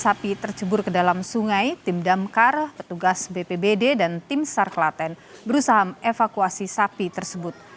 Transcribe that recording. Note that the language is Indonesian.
sapi tercebur ke dalam sungai tim damkar petugas bpbd dan tim sar klaten berusaha mengevakuasi sapi tersebut